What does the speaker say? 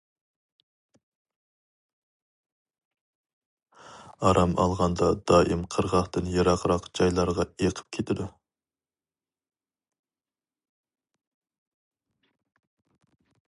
ئارام ئالغاندا دائىم قىرغاقتىن يىراقراق جايلارغا ئېقىپ كېتىدۇ.